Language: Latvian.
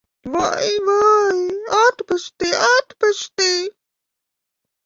Vai, vai! Atpestī! Atpestī!